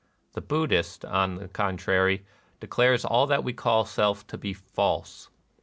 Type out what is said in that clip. The Buddhist, on the con trary, declares all that we call Self to be false.